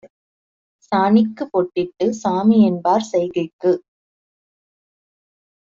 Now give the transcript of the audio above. சாணிக்குப் பொட்டிட்டுச் சாமிஎன்பார் செய்கைக்கு